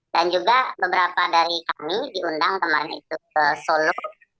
dan juga beberapa dari kami diundang kemarin itu ke solo